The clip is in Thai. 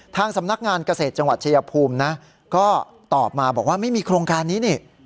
ทางสำนักงานเกษตรจังหวัดชายภูมินะก็ตอบมาบอกว่าไม่มีโครงการนี้นี่